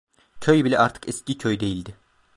Köy bile artık eski köy değildi.